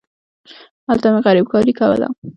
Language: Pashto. هلته مې غريبکاري کوله.